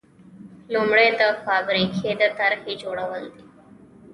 لومړی د فابریکې د طرحې جوړول دي.